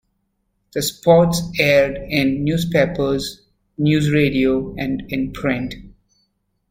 The spots aired in newspapers, news radio and in print.